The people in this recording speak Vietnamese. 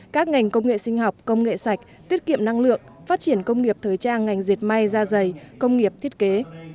các ngành công nghệ sinh học công nghệ sạch tiết kiệm năng lượng phát triển công nghiệp thời trang ngành dệt may ra dày công nghiệp thiết kế